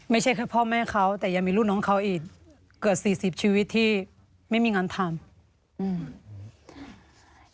ไม่ใช่แค่พ่อแม่เขาแต่ยังมีลูกน้องเขาอีกเกือบสี่สิบชีวิตที่ไม่มีงานทำอืม